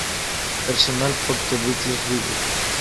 Personal por The Beatles Bible